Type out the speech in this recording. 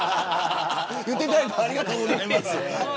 言っていただいてありがとうございます。